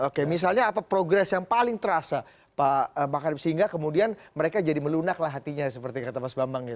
oke misalnya apa progres yang paling terasa pak makarim sehingga kemudian mereka jadi melunaklah hatinya seperti kata mas bambang gitu